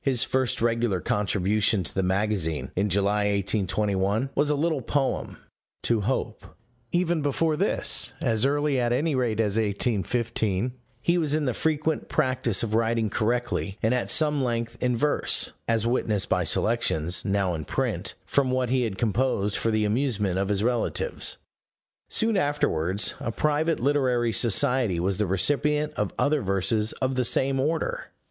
His first regular contribution to the magazine, in July, 1821, was a little poem To Hope: even before this, as early at any rate as 1815, he was in the frequent practice of writing correctly and at some length in verse, as witnessed by selections, now in print, from what he had composed for the amusement of his relatives. Soon afterwards, a private literary society was the recipient of other verses of the same order.